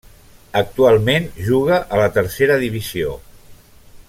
Actualment juga a la Tercera divisió.